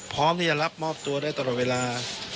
พร้อมที่จะรับมอบตัวได้ตลอดเวลา